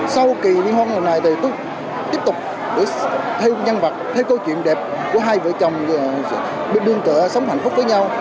sau kỳ liên hoàn này tôi tiếp tục thay nhân vật thay câu chuyện đẹp của hai vợ chồng biên tựa sống hạnh phúc với nhau